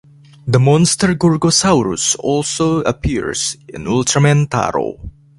The monster Gorgosaurus also appears in "Ultraman Taro".